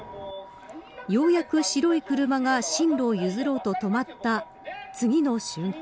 ようやく白い車が進路を譲ろうと止まった次の瞬間。